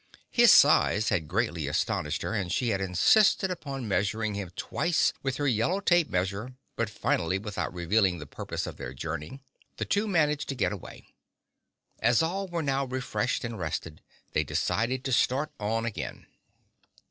His size had greatly astonished her and she had insisted upon measuring him twice with her yellow tape measure but finally, without revealing the purpose of their journey, the two managed to get away. As all were now refreshed and rested, they decided to start on again.